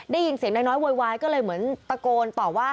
ได้ยินเสียงนายน้อยโวยวายก็เลยเหมือนตะโกนต่อว่า